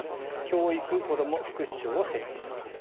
教育子ども福祉省を設置します。